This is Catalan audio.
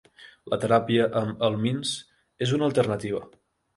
La teràpia amb helmints és una alternativa.